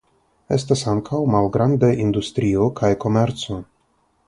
Estas ankaŭ malgrandaj industrio kaj komerco.